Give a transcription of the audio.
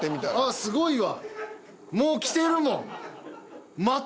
［すごいわ］